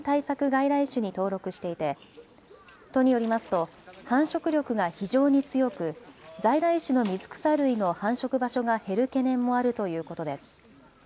外来種に登録していて都によりますと繁殖力が非常に強く在来種の水草類の繁殖場所が減る懸念もあるということです。